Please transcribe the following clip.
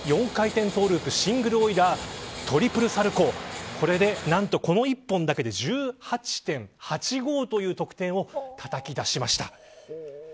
４回転トゥループシングルオイラートリプルサルコウこの１本だけで１８．８５という得点をたたき出しました。